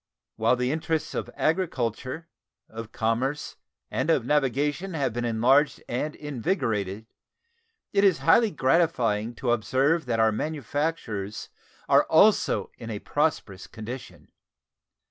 Whilst the interests of agriculture, of commerce, and of navigation have been enlarged and invigorated, it is highly gratifying to observe that our manufactures are also in a prosperous condition.